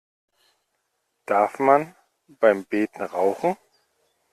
Darf man beim Beten rauchen?